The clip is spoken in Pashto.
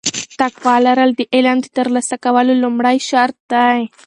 تقوا لرل د علم د ترلاسه کولو لومړی شرط دی.